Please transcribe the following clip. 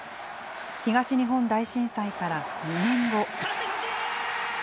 東日本大震災から２年後。